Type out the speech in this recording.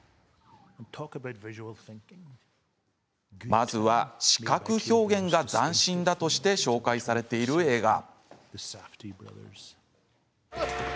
まずは視覚表現が斬新だとして紹介されている映画。